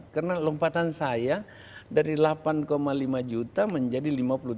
karena lompatan saya dari delapan lima juta menjadi lima puluh tiga enam